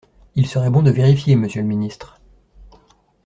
Il serait bon de vérifier, monsieur le ministre.